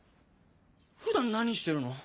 普段何してるの？